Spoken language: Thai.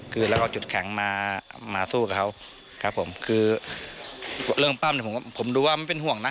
คือเราเอาจุดแข็งมามาสู้กับเขาครับผมคือเรื่องปั้มเนี่ยผมดูว่ามันเป็นห่วงนะ